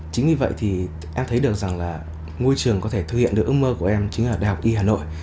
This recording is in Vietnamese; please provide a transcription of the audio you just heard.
chính vì vậy thì em thấy được rằng là ngôi trường có thể thực hiện được ước mơ của em chính là đại học y hà nội